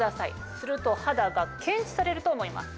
すると肌が検知されると思います。